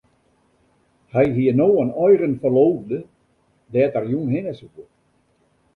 Hy hie no in eigen ferloofde dêr't er jûn hinne soe.